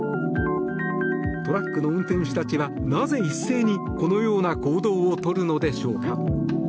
トラックの運転手たちはなぜ、一斉にこのような行動をとるのでしょうか？